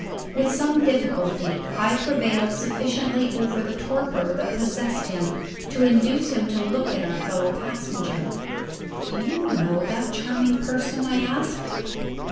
With some difficulty, I prevailed sufficiently over the torpor that possessed him to induce him to look at our fellow passenger. "Do you know that charming person?" I asked.